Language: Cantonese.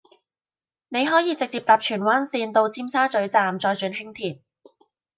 你可以直接搭荃灣綫到尖沙咀站再轉輕鐵